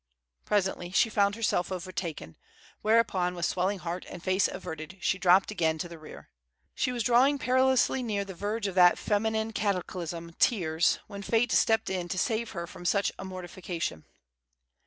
Presently she found herself overtaken; whereupon, with swelling heart and face averted, she dropped again to the rear. She was drawing perilously near the verge of that feminine cataclysm, tears, when Fate stepped in to save her from such a mortification.